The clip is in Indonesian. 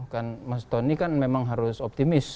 kan mas tony kan memang harus optimis